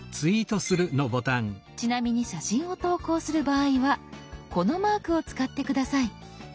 ちなみに写真を投稿する場合はこのマークを使って下さい。